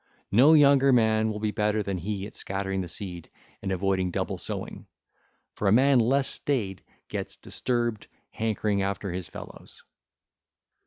No younger man will be better than he at scattering the seed and avoiding double sowing; for a man less staid gets disturbed, hankering after his fellows.